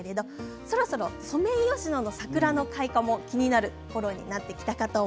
そろそろソメイヨシノの開花も気になるころになってきました。